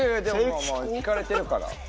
聞かれてるから。